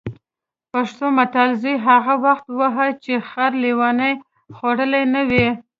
پښتو متل: زوی هغه وخت وهه چې خر لېوانو خوړلی نه وي.